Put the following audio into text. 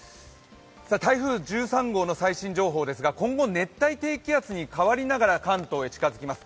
台風１３号の最新情報ですが、今後、熱帯低気圧に変わりながら関東へ近づきます。